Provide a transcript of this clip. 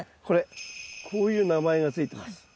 これこういう名前が付いてます。